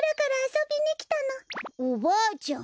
おばあちゃん。